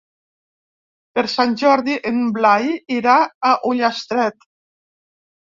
Per Sant Jordi en Blai irà a Ullastret.